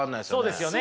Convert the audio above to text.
そうですね